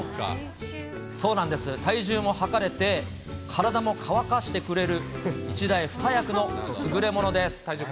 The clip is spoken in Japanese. そうなんです、体重も量れて、体も乾かしてくれる、１台２役の優れものです。